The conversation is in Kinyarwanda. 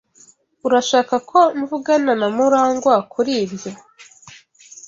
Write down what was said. Urashaka ko mvugana na Murangwa kuri ibyo?